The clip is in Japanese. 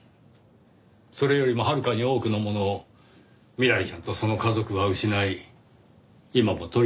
それよりもはるかに多くのものを未来ちゃんとその家族は失い今も取り戻せずにいます。